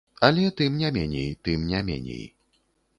Але тым не меней, тым не меней.